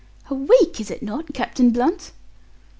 "A week, is it not, Captain Blunt?"